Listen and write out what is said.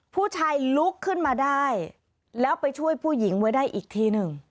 ผู้ชายลุกขึ้นมาได้แล้วไปช่วยผู้หญิงไว้ได้อีกทีหนึ่ง